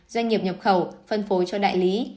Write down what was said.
doanh nghiệp nhập khẩu phân phối cho đại lý